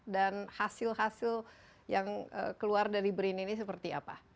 dan hasil hasil yang keluar dari brin ini seperti apa